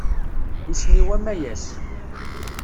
Isem-iw Amayes.